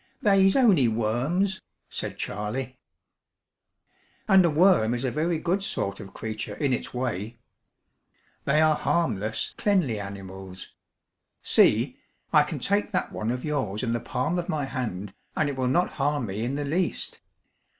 "They's on'y worms," said Charley. "And a worm is a very good sort of creature in its way. They are harmless, cleanly animals. See, I can take that one of yours in the palm of my hand and it will not harm me in the least.